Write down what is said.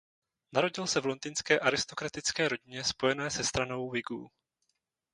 Narodil se v londýnské aristokratické rodině spojené se stranou Whigů.